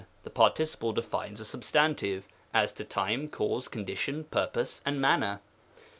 The participle defines a substantive, as to time, cause, condition, purpose, and manner.